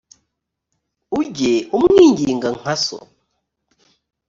ujye umwinginga nka so